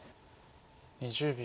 ２０秒。